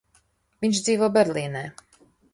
Viņš dzīvo Berlīnē.